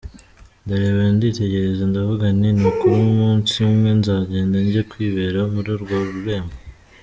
Ndareba, nditegereza, ndavuga nti nukuri umunsi umwe nzagenda njye kwibera muri urwo rurembo.